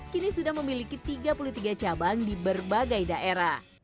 kini sudah memiliki tiga puluh tiga cabang di berbagai daerah